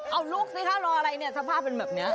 เอาลุกสิคะรออะไรเนี่ยสภาพเป็นแบบนี้